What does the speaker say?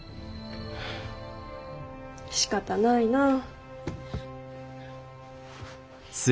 しかたないなあ。